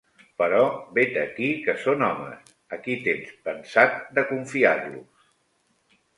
Però, vet aquí que són homes: a qui tens pensat de confiar-los?